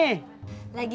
kamu baru menawarin